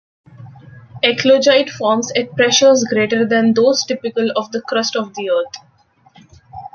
Eclogite forms at pressures greater than those typical of the crust of the Earth.